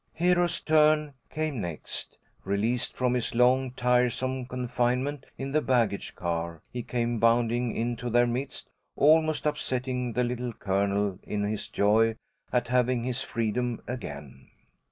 Hero's turn came next. Released from his long, tiresome confinement in the baggage car, he came bounding into their midst, almost upsetting the Little Colonel in his joy at having his freedom again.